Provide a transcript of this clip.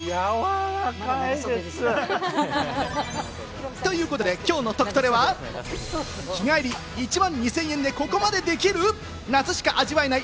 旬のもの、食べ放題まで満喫！ということで、きょうのトクトレは日帰り１万２０００円でここまでできる、夏しか味わえない